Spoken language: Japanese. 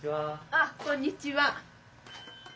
あっこんにちは。